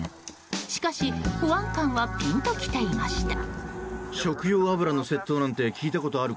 しかし、保安官はピンときていました。